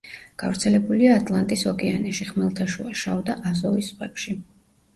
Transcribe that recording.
გავრცელებულია ატლანტის ოკეანეში, ხმელთაშუა, შავ და აზოვის ზღვებში.